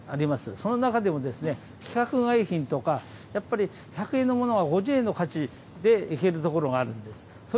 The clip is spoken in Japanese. その中でも規格外品とか、やっぱり１００円のものが５０円の価格でいけるところがあるんです。